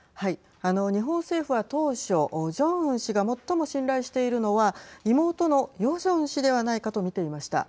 あの日本政府は当初ジョンウン氏が最も信頼しているのは妹のヨジョン氏ではないかと見ていました。